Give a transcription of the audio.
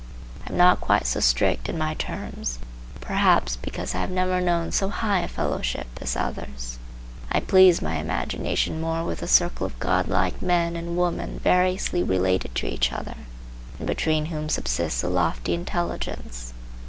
I am not quite so strict in my terms, perhaps because I have never known so high a fellowship as others. I please my imagination more with a circle of godlike men and women variously related to each other and between whom subsists a lofty intelligence.